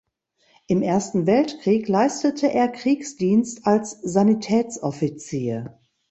Im Ersten Weltkrieg leistete er Kriegsdienst als Sanitätsoffizier.